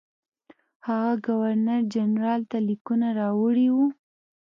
هغه ګورنرجنرال ته لیکونه راوړي وو.